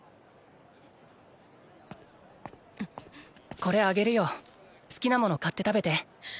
これあげるよ好きなもの買って食べて。